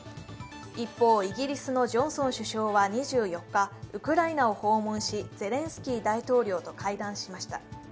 一方イギリスのジョンソン首相は２４日、ウクライナを訪問し、ゼレンスキー大統領と会談しました。